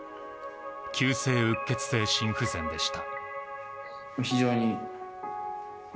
急性うっ血性心不全でした。